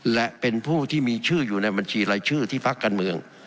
และเป็นผู้ที่มีชื่ออยู่ในบัญชีรายชื่อที่พักการเมือง